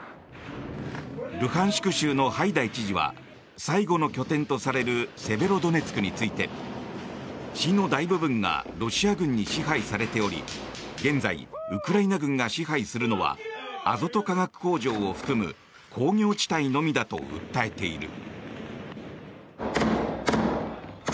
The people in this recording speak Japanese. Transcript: ルハンシク州のハイダイ知事は最後の拠点とされるセベロドネツクについて市の大部分がロシア軍に支配されており現在、ウクライナ軍が支配するのはアゾト化学工場を含む工業地帯のみだと訴えている。